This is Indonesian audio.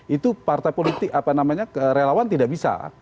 itu partai politik relawan tidak bisa